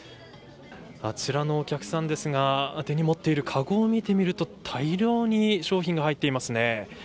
あちらのお客さんですが手に持っているかごを見てみると大量に商品が入っていますね。